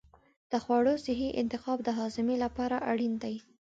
د خوړو صحي انتخاب د هاضمې لپاره اړین دی.